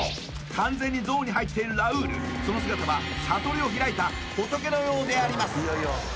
完全にゾーンに入っているラウールその姿は悟りを開いた仏のようであります